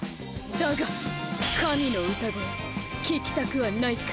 だが神の歌声聞きたくはないか？